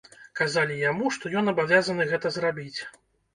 Казалі яму, што ён абавязаны гэта зрабіць.